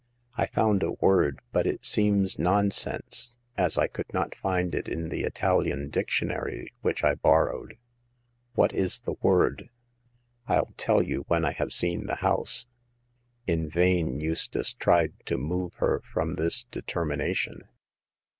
I found a word, but it seems non sense, as I could not find it in the Italian diction ary which I borrowed/' " What is the word ?"" rU tell you w^hen I have seen the house." In vain Eustace tried to move her from this determination.